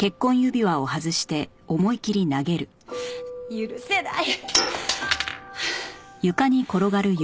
許せない！